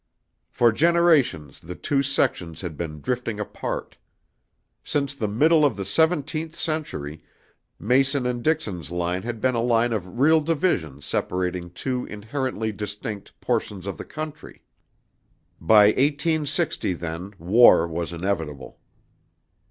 For generations the two sections had been drifting apart. Since the middle of the seventeenth century, Mason and Dixon's line had been a line of real division separating two inherently distinct portions of the country. By 1860, then, war was inevitable.